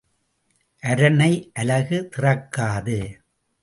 அரணை அலகு திறக்காது.